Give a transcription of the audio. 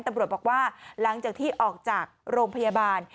ตำรวจบอกว่าหลังจากที่ออกจากโรงพยาบาล